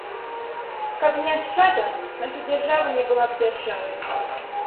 Каб не ашчада, наша дзяржава не была б дзяржавай.